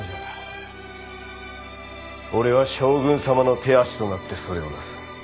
俺は将軍様の手足となってそれをなす。